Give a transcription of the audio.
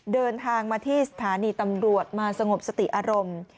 เดินทางมาที่สถานีตำรวจมาสงบสติอารมณ์